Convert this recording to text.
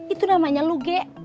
itu namanya lu gek